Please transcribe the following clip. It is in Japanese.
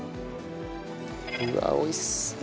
うわ美味しそう。